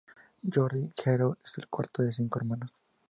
Jordi Hereu es el cuarto de cinco hermanos.